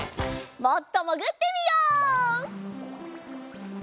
もっともぐってみよう！